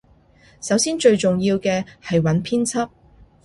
首先最重要嘅係揾編輯